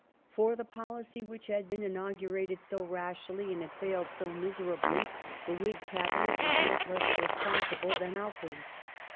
For the policy which had been inaugurated so rashly and had failed so miserably the Whig Cabinet were not less responsible than Auckland.